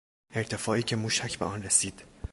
ارتفاعی که موشک به آن رسید